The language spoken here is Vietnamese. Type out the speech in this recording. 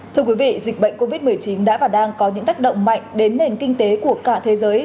thưa quý vị dịch bệnh covid một mươi chín đã và đang có những tác động mạnh đến nền kinh tế của cả thế giới